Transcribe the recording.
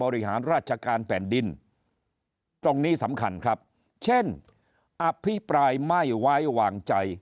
บริหารราชการแผ่นดินตรงนี้สำคัญครับเช่นอภิปรายไม่ไว้วางใจ